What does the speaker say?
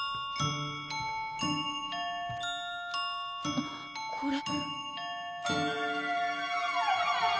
あっこれ。